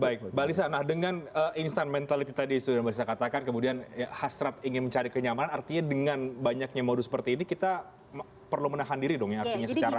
baik mbak lisa nah dengan instant mentality tadi sudah mbak lisa katakan kemudian hasrat ingin mencari kenyamanan artinya dengan banyaknya modus seperti ini kita perlu menahan diri dong ya artinya secara